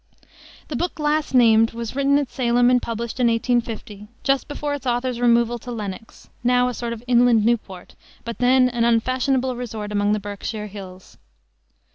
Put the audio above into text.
The book last named was written at Salem and published in 1850, just before its author's removal to Lenox, now a sort of inland Newport, but then an unfashionable resort among the Berkshire hills.